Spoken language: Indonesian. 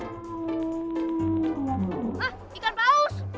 hah ikan paus